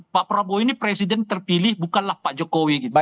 pak prabowo ini presiden terpilih bukanlah pak jokowi gitu